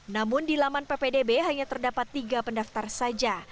namun di laman ppdb hanya terdapat tiga pendaftar saja